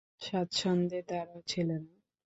স্বাচ্ছন্দে দাঁড়াও ছেলেরা!